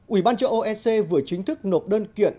ủy ban châu âu ec vừa chính thức nộp đơn kiện